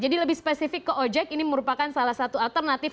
jadi lebih spesifik ke ojek ini merupakan salah satu alternatif